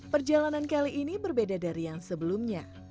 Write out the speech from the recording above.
perjalanan kali ini berbeda dari yang sebelumnya